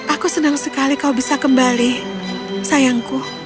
aku senang sekali kau bisa kembali sayangku